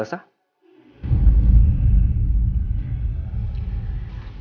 ibu elsa bangun